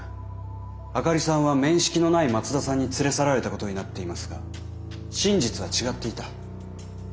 灯里さんは面識のない松田さんに連れ去られたことになっていますが真実は違っていた。